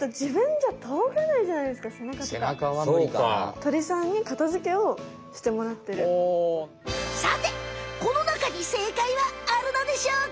鳥さんにさてこのなかに正解はあるのでしょうか？